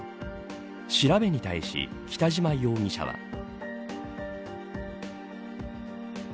調べに対し、北島容疑者は。